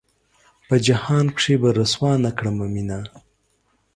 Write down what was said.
پۀ جهان کښې به رسوا نۀ کړمه مينه